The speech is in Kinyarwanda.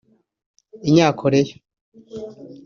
inyaKoreya